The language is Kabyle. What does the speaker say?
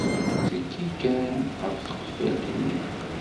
Tekki kan ɣef tqeffalt-nni.